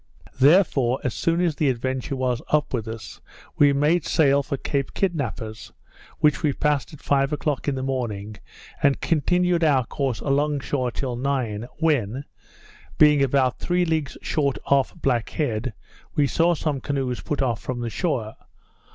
Therefore, as soon as the Adventure was up with us, we made sail for Cape Kidnappers, which we passed at five o'clock in the morning, and continued our course along shore till nine, when, being about three leagues short off Black head, we saw some canoes put off from the shore.